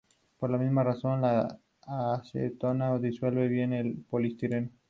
Joseph se casa con una maestra que vive en el pueblo de Nuestra Señora.